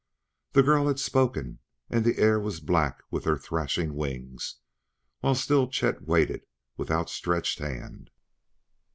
The girl had spoken, and the air was black with their threshing wings, while still Chet waited with outstretched hand.